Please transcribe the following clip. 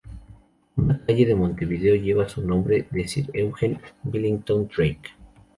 Una calle de Montevideo lleva el nombre de Sir Eugen Millington-Drake.